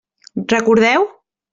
Recordeu?